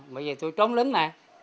bởi vì tôi trốn lính nè